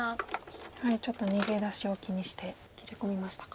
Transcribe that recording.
やはりちょっと逃げ出しを気にして切り込みましたか。